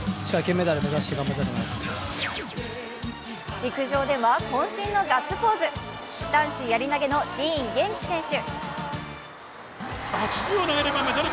陸上ではこん身のガッツポーズ男子やり投げのディーン元気選手。